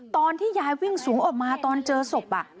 ตอนที่ยายวิ่งสูงออกมาตอนเจอศพ